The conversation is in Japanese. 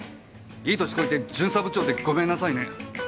いい年こいて巡査部長でごめんなさいね。